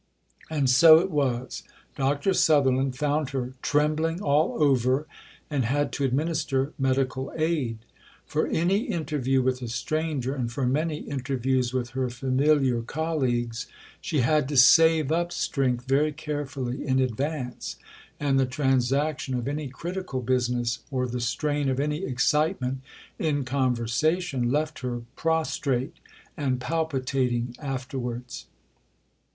'" And so it was. Dr. Sutherland found her "trembling all over," and had to administer medical aid. For any interview with a stranger, and for many interviews with her familiar colleagues, she had to save up strength very carefully in advance, and the transaction of any critical business, or the strain of any excitement in conversation, left her prostrate and palpitating afterwards.